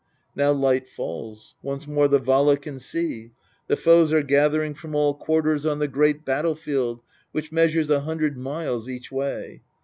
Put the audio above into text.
Now light falls ; once more the Vala can see ; the foes are gathering from all quarters on the great battlefield, which measures a hundred miles each way.